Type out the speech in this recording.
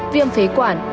viêm phế quản